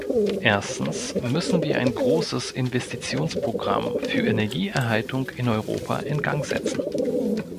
Erstens müssen wir ein großes Investitionsprogramm für Energieerhaltung in Europa in Gang setzen.